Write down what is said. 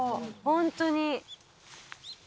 ホントに。